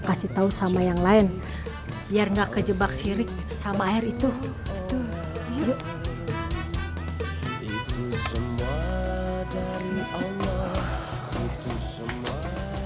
kasih tahu sama yang lain biar enggak kejebak sirik sama air itu itu semua dari allah itu semua karena